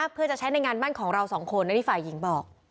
เพื่อจะใช้ในงานมั่นของเราสองคนอันนี้ฝ่ายหญิงบอก